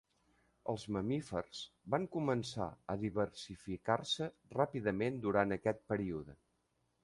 Els mamífers van començar a diversificar-se ràpidament durant aquest període.